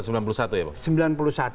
sembilan puluh satu ya pak